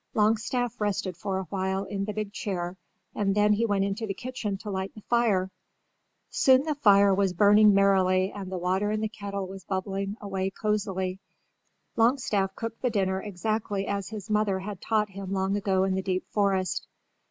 Longstaff rested for a while in the big chair and then he went into the kitchen to light the fire. Soon the fire was burning merrily and the water in the kettle was bubbling away cozily. Longstaff cooked the dinner exactly as his mother had taught him long ago in the deep forest.